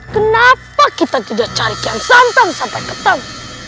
kenapa kita tidak cari kiam santam sampai ketemu